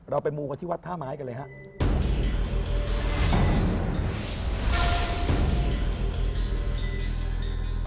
เราไปหมู่กันที่วัดท่าม้ายกันเลยครับ